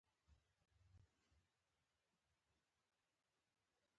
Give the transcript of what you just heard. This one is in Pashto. هغه به د ستړیا په حالت کې وي.